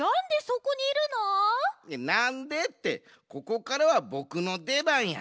なんでってここからはボクのでばんや。